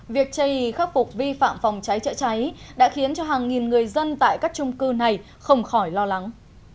việc chây ý khắc phục vi phạm phòng cháy chữa cháy đã khiến cho hàng nghìn người dân tại các trung cư này không khỏi lo lắng